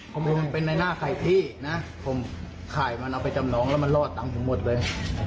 ผมเป็นในหน้าไข่ที่นะผมขายมันเอาไปจำนองแล้วมันรอดตังค์ผมหมดเลย